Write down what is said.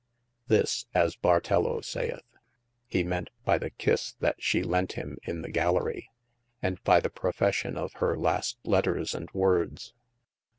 This (as Bartello sayeth) he ment by the kisse that she lent him in the Gallery, and by the profession of hir laste letters and woordes.